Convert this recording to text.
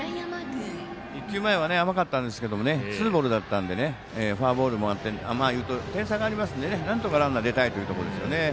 １球前は甘かったんですけどツーボールだったのでフォアボールもあって点差がありますんでなんとかランナー出たいというところですね。